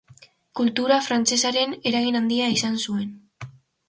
Kultura frantsesaren eragin handia izan zuen.